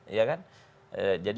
iya kan jadi